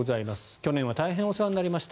去年は大変お世話になりました。